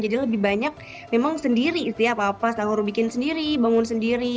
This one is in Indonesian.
jadi lebih banyak memang sendiri ya papa sahur bikin sendiri bangun sendiri